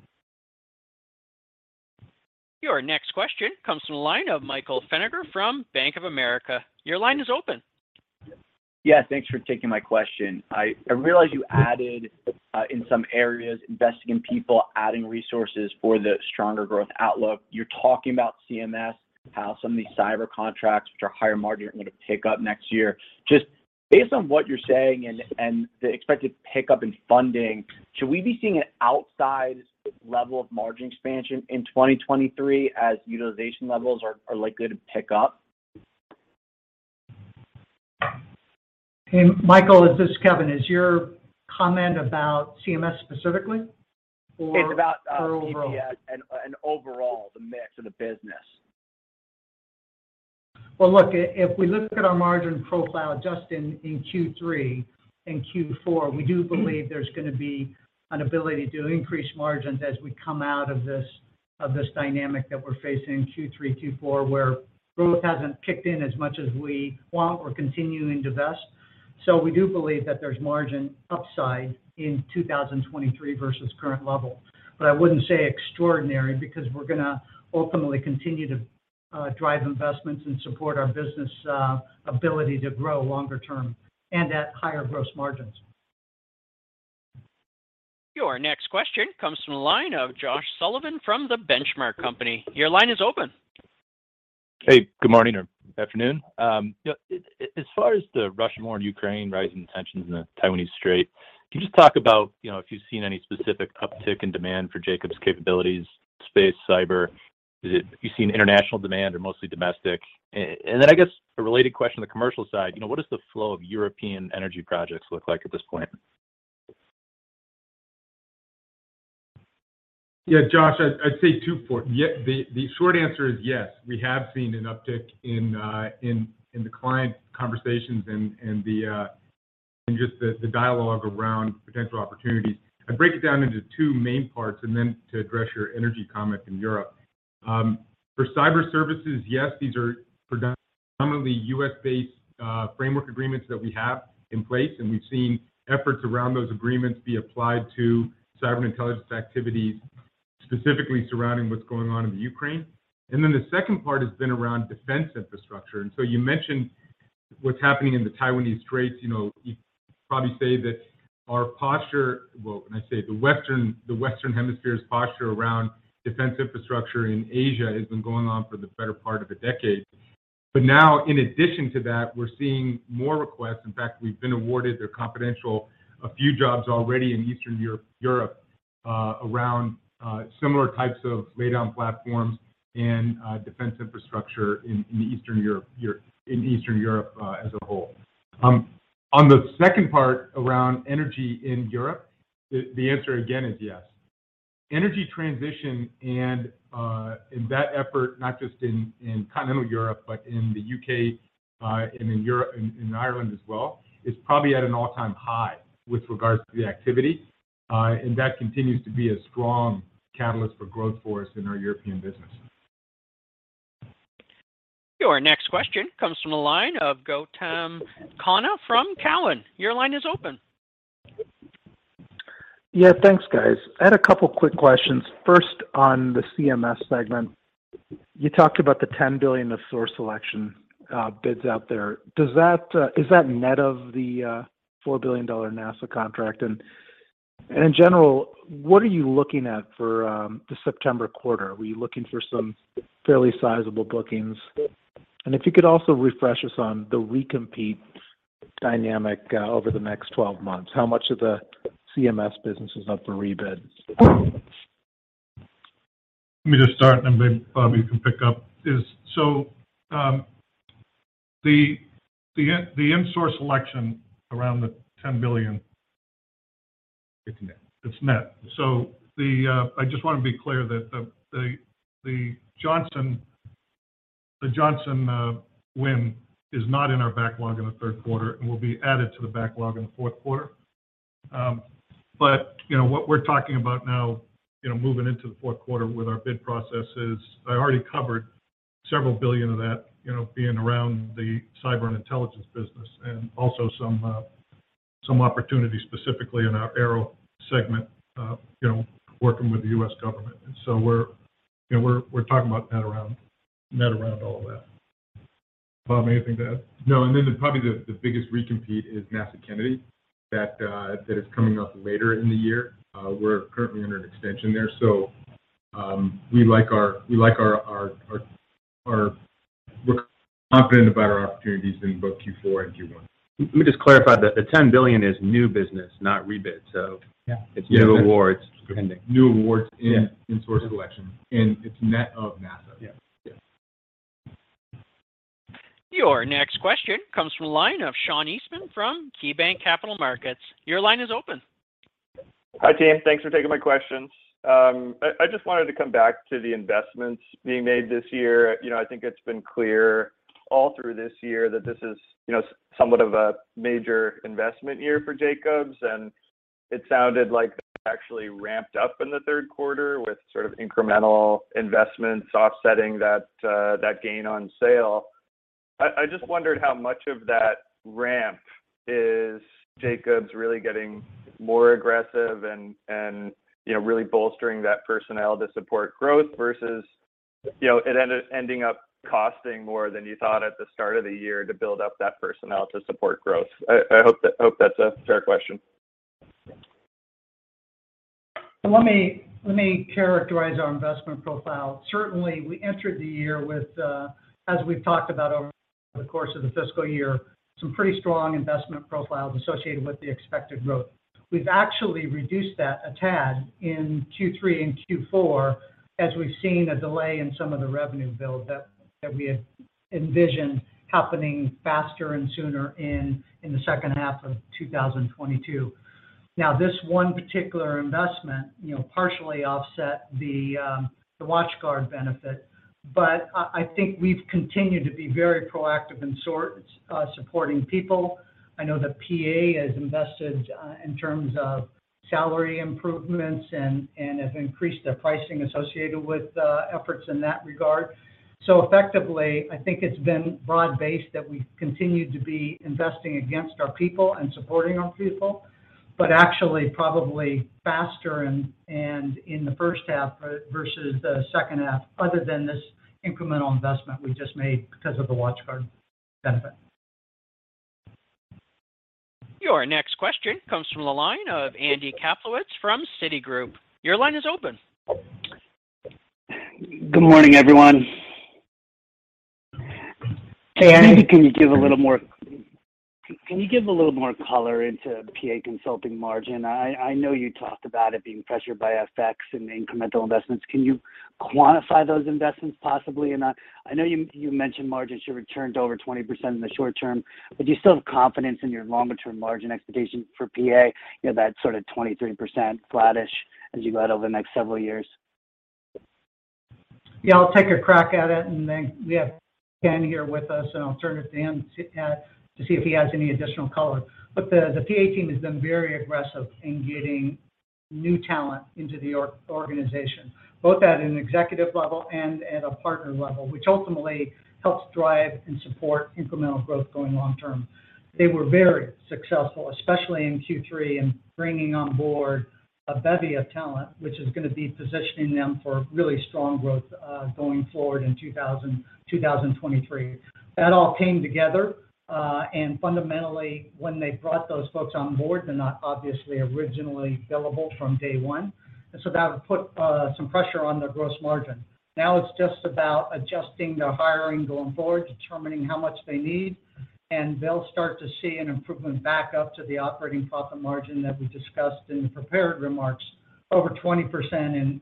Your next question comes from the line of Michael Feniger from Bank of America. Your line is open. Yeah, thanks for taking my question. I realize you added in some areas, investing in people, adding resources for the stronger growth outlook. You're talking about CMS, how some of these cyber contracts, which are higher margin, are gonna pick up next year. Just based on what you're saying and the expected pickup in funding, should we be seeing an outsized level of margin expansion in 2023 as utilization levels are likely to pick up? Hey, Michael, this is Kevin. Is your comment about CMS specifically or- It's about- overall? CMS and overall, the mix of the business. Well, look, if we look at our margin profile just in Q3 and Q4, we do believe there's gonna be an ability to increase margins as we come out of this dynamic that we're facing in Q3 and Q4, where growth hasn't kicked in as much as we want. We're continuing to invest. We do believe that there's margin upside in 2023 versus current level. I wouldn't say extraordinary because we're gonna ultimately continue to drive investments and support our business ability to grow longer term and at higher gross margins. Your next question comes from the line of Josh Sullivan from The Benchmark Company. Your line is open. Hey, good morning or afternoon. As far as the Russian war in Ukraine, rising tensions in the Taiwan Strait, can you just talk about, you know, if you've seen any specific uptick in demand for Jacobs capabilities, space, cyber? Is it you've seen international demand or mostly domestic? And then I guess a related question on the commercial side, you know, what does the flow of European energy projects look like at this point? Josh, I'd say the short answer is yes, we have seen an uptick in the client conversations and the dialogue around potential opportunities. I'd break it down into two main parts and then to address your energy comment in Europe. For cyber services, yes, these are predominantly U.S.-based framework agreements that we have in place, and we've seen efforts around those agreements be applied to cyber intelligence activities, specifically surrounding what's going on in the Ukraine. The second part has been around defense infrastructure. You mentioned what's happening in the Taiwanese Straits. You'd probably say that our posture, when I say the Western Hemisphere's posture around defense infrastructure in Asia has been going on for the better part of a decade. Now in addition to that, we're seeing more requests. In fact, we've been awarded, they're confidential, a few jobs already in Eastern Europe around similar types of laydown platforms and defense infrastructure in Eastern Europe as a whole. On the second part around energy in Europe, the answer again is yes. Energy transition and that effort, not just in continental Europe, but in the U.K. and in Europe and in Ireland as well, is probably at an all-time high with regards to the activity. That continues to be a strong catalyst for growth for us in our European business. Your next question comes from the line of Gautam Khanna from Cowen. Your line is open. Yeah, thanks, guys. I had a couple quick questions. First, on the CMS segment. You talked about the $10 billion of source selection bids out there. Is that net of the $4 billion NASA contract? And in general, what are you looking at for the September quarter? Were you looking for some fairly sizable bookings? And if you could also refresh us on the recompete dynamic over the next 12 months. How much of the CMS business is up for rebid? Let me just start, and then Bob, you can pick up. The insource allocation around the $10 billion. It's net. I just wanna be clear that the Johnson win is not in our backlog in the third quarter and will be added to the backlog in the fourth quarter. You know, what we're talking about now, you know, moving into the fourth quarter with our bid process is I already covered several billion of that, you know, being around the cyber intelligence business and also some opportunities specifically in our aero segment, you know, working with the U.S. government. We're talking about net around all of that. Bob, anything to add? No, probably the biggest recompete is NASA Kennedy that is coming up later in the year. We're currently under an extension there, so we're confident about our opportunities in both Q4 and Q1. Let me just clarify that the $10 billion is new business, not rebid. Yeah. It's new awards. Pending. New awards in source selection, and it's net of NASA. Yeah. Your next question comes from a line of Sean Eastman from KeyBanc Capital Markets. Your line is open. Hi, team. Thanks for taking my questions. I just wanted to come back to the investments being made this year. You know, I think it's been clear all through this year that this is, you know, somewhat of a major investment year for Jacobs, and it sounded like that actually ramped up in the third quarter with sort of incremental investments offsetting that gain on sale. I just wondered how much of that ramp is Jacobs really getting more aggressive and, you know, really bolstering that personnel to support growth versus, you know, it ending up costing more than you thought at the start of the year to build up that personnel to support growth. I hope that's a fair question. Let me characterize our investment profile. Certainly, we entered the year with as we've talked about over the course of the fiscal year, some pretty strong investment profiles associated with the expected growth. We've actually reduced that a tad in Q3 and Q4 as we've seen a delay in some of the revenue build that we had envisioned happening faster and sooner in the second half of 2022. Now, this one particular investment partially offset the WatchGuard benefit. I think we've continued to be very proactive in supporting people. I know that PA has invested in terms of salary improvements and have increased their pricing associated with efforts in that regard. Effectively, I think it's been broad-based that we've continued to be investing in our people and supporting our people, but actually probably faster and in the first half versus the second half, other than this incremental investment we just made because of the WatchGuard benefit. Your next question comes from the line of Andy Kaplowitz from Citigroup. Your line is open. Good morning, everyone. Hey, Andy. Can you give a little more color into the PA Consulting margin? I know you talked about it being pressured by FX and the incremental investments. Can you quantify those investments possibly? I know you mentioned margins should return to over 20% in the short term, but do you still have confidence in your longer term margin expectation for PA? You know, that sort of 23% flattish as you go out over the next several years. Yeah, I'll take a crack at it and then we have Ken here with us, and I'll turn it to him to see if he has any additional color. The PA team has been very aggressive in getting new talent into the organization, both at an executive level and at a partner level, which ultimately helps drive and support incremental growth going long term. They were very successful, especially in Q3, in bringing on board a bevy of talent, which is gonna be positioning them for really strong growth going forward in 2023. That all came together, and fundamentally, when they brought those folks on board, they're not obviously originally billable from day one. That put some pressure on the gross margin. Now it's just about adjusting the hiring going forward, determining how much they need, and they'll start to see an improvement back up to the operating profit margin that we discussed in the prepared remarks over 20%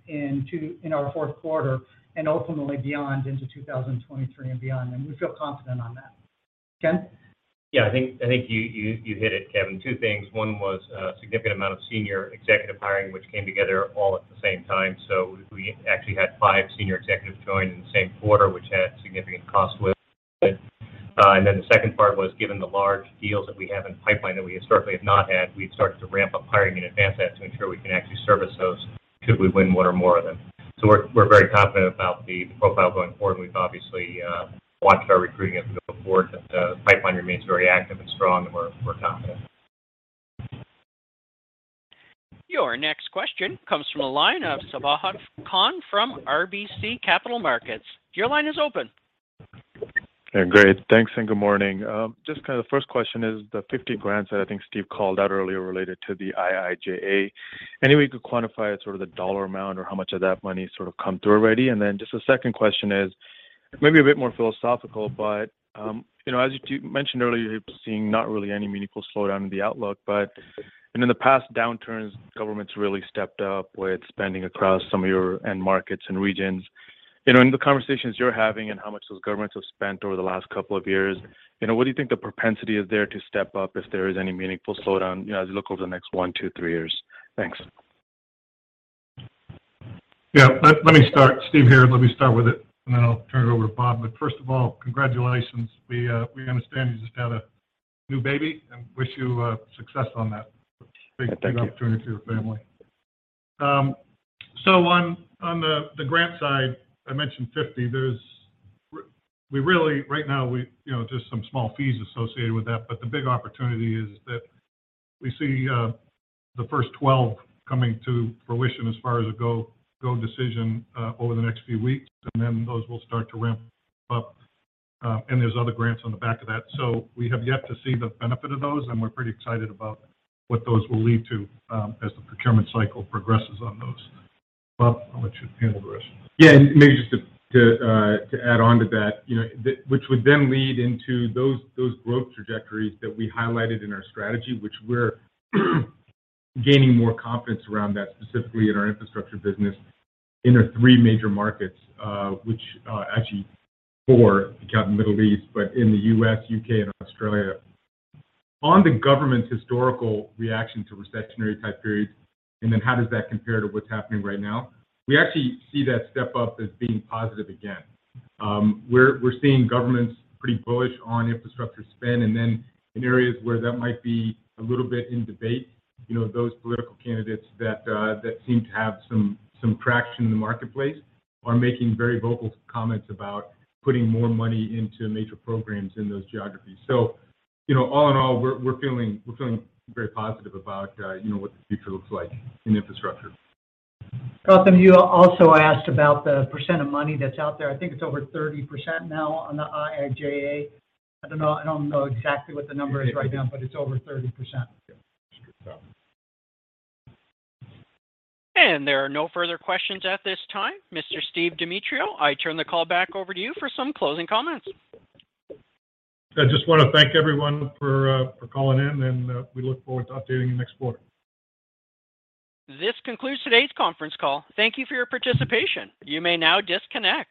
in our fourth quarter, and ultimately beyond into 2023 and beyond. We feel confident on that. Ken? Yeah, I think you hit it, Kevin. Two things. One was a significant amount of senior executive hiring, which came together all at the same time. We actually had five senior executives join in the same quarter, which had significant cost with it. The second part was given the large deals that we have in the pipeline that we historically have not had, we've started to ramp up hiring in advance that to ensure we can actually service those should we win one or more of them. We're very confident about the profile going forward, and we've obviously watched our recruiting as we move forward, and the pipeline remains very active and strong, and we're confident. Your next question comes from a line of Sabahat Khan from RBC Capital Markets. Your line is open. Yeah, great. Thanks, and good morning. Just kinda the first question is the 50 grants that I think Steve called out earlier related to the IIJA. Any way you could quantify it, sort of the dollar amount or how much of that money sort of come through already? And then just a second question is maybe a bit more philosophical, but, you know, as you mentioned earlier, you're seeing not really any meaningful slowdown in the outlook. But, I mean, in the past downturns, governments really stepped up with spending across some of your end markets and regions. You know, in the conversations you're having and how much those governments have spent over the last couple of years, you know, what do you think the propensity is there to step up if there is any meaningful slowdown, you know, as you look over the next one year, two years, three years? Thanks. Yeah. Let me start. Steve here, and then I'll turn it over to Bob. First of all, congratulations. We understand you just had a new baby and wish you success on that. Thank you. Big opportunity for your family. On the grant side, I mentioned 50. There's really, right now, you know, just some small fees associated with that. The big opportunity is that we see the first 12 coming to fruition as far as a go/no-go decision over the next few weeks. Those will start to ramp up, and there's other grants on the back of that. We have yet to see the benefit of those, and we're pretty excited about what those will lead to as the procurement cycle progresses on those. Bob, I'll let you handle the rest. Yeah. Maybe just to add on to that, you know, which would then lead into those growth trajectories that we highlighted in our strategy, which we're gaining more confidence around that specifically in our infrastructure business in our three major markets, which actually four if you count Middle East, but in the U.S., U.K. and Australia. On the government's historical reaction to recessionary type periods, and then how does that compare to what's happening right now? We actually see that step up as being positive again. We're seeing governments pretty bullish on infrastructure spend, and then in areas where that might be a little bit in debate, you know, those political candidates that seem to have some traction in the marketplace are making very vocal comments about putting more money into major programs in those geographies. You know, all in all, we're feeling very positive about, you know, what the future looks like in infrastructure. Sabahat, you also asked about the percent of money that's out there. I think it's over 30% now on the IIJA. I don't know exactly what the number is right now, but it's over 30%. Yeah. There are no further questions at this time. Mr. Steve Demetriou, I turn the call back over to you for some closing comments. I just wanna thank everyone for calling in, and we look forward to updating you next quarter. This concludes today's conference call. Thank you for your participation. You may now disconnect.